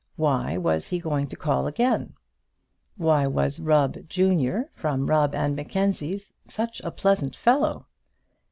Why was he going to call again? Why was Rubb, junior, from Rubb and Mackenzie's, such a pleasant fellow?